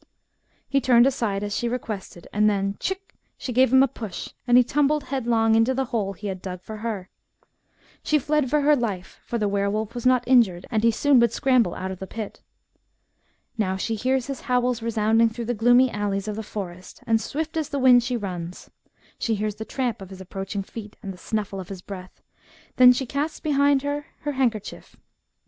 He turned aside as she requested, and then — tchich ! she gave him a push, and he tumbled headlong into the hole he had dug for her. " She fled for her life, for the were wolf was not injured, and he soon would' scramble out of the pit. Now she hears his howls resounding through the gloomy alleys of the forest, and swift as the wind she runs. She hears the tramp of his approaching feet, and the snuflSe of his breath. Then she casts behind her her handkerchief.